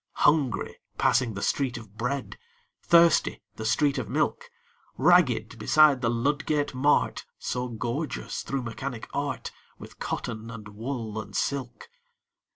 Hungry passing the Street of Bread; Thirsty the street of Milk; Ragged beside the Ludgate Mart, So gorgeous, through Mechanic Art, With cotton, and wool, and silk!